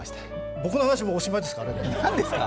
僕の話、もうおしまいですか？